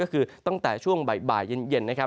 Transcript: ก็คือตั้งแต่ช่วงบ่ายเย็นนะครับ